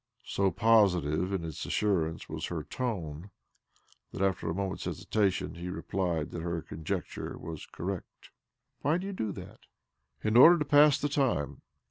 So positive in its assurance was her tone that after a moment's hesitation hfe replied that her conjecture was correct. ' ■Why do you do that?" ' In oilder to pass the time